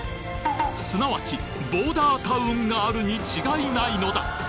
すなわちボーダータウンがあるに違いないのだ